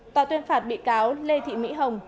tòa tuyên phạt bị cáo lê thị mỹ hồng